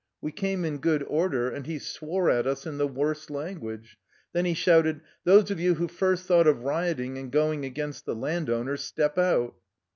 We came in good order, and he swore at us in the worst language. Then he shouted: "^ Those of you who first thought of rioting and going against the landowner step out.'